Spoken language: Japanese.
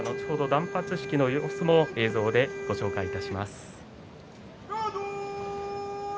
断髪式の様子も映像でご紹介します。